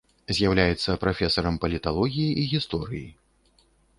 З'яўляецца прафесарам паліталогіі і гісторыі.